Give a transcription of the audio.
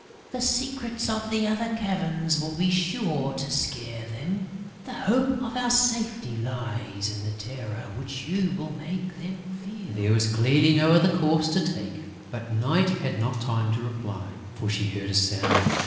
The secrets of the other caverns will be sure to scare them. The hope of our safety lies in the terror which you will make them feel." There was clearly no other course to take. But Night had not time to reply, for she heard a sound.